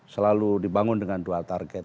selalu dibangun dengan dua target